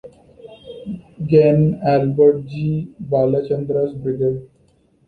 Gen Albert G. Blanchard's brigade.